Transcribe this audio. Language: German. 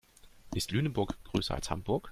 Ist Lüneburg größer als Hamburg?